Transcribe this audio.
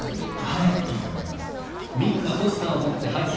はいいいと思います。